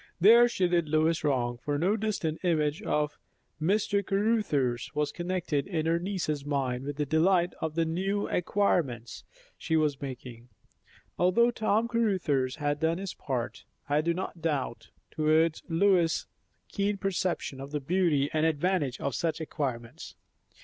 There she did Lois wrong, for no distant image of Mr. Caruthers was connected in her niece's mind with the delight of the new acquirements she was making; although Tom Caruthers had done his part, I do not doubt, towards Lois's keen perception of the beauty and advantage of such acquirements.